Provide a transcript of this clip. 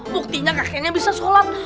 buktinya kakeknya bisa sholat